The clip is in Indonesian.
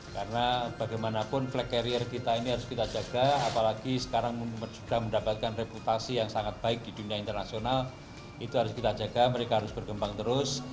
karena bagaimanapun flag carrier kita ini harus kita jaga apalagi sekarang sudah mendapatkan reputasi yang sangat baik di dunia internasional itu harus kita jaga mereka harus bergembang terus